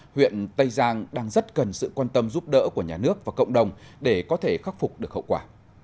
huyện tây giang đang rất cần sự quan tâm giúp đỡ của nhà nước và cộng đồng để có thể khắc phục được hậu quả